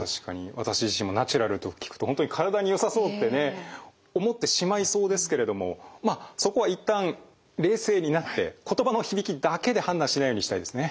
私自身もナチュラルと聞くと本当に体によさそうってね思ってしまいそうですけれどもまあそこは一旦冷静になって言葉の響きだけで判断しないようにしたいですね。